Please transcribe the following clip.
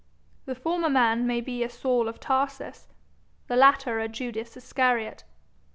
The former man may be a Saul of Tarsus, the latter a Judas Iscariot.